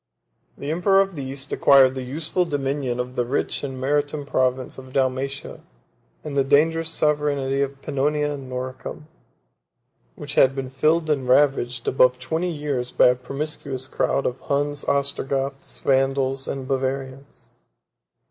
6 The emperor of the East acquired the useful dominion of the rich and maritime province of Dalmatia, and the dangerous sovereignty of Pannonia and Noricum, which had been filled and ravaged above twenty years by a promiscuous crowd of Huns, Ostrogoths, Vandals, and Bavarians.